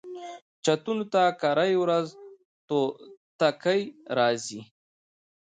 چتونو ته کرۍ ورځ توتکۍ راځي